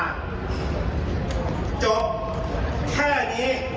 จบแค่นี้